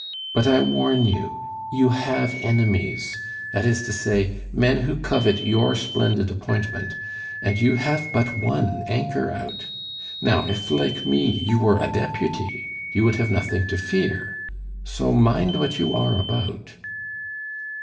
But I warn you! you have enemies that is to say, men who covet your splendid appointment, and you have but one anchor out. Now if, like me, you were a Deputy, you would have nothing to fear; so mind what you are about."